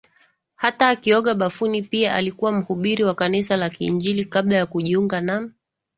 hata akioga bafuni Pia alikuwa mhubiri wa kanisa la kiinjili kabla ya kujiunga na